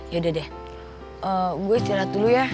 yaudah deh gue istirahat dulu ya